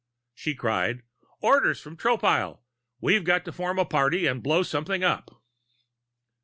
She cried: "Orders from Tropile! We've got to form a party and blow something up."